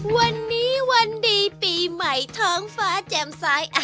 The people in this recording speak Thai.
วันนี้วันดีปีใหม่ท้องฟ้าแจ่มซ้าย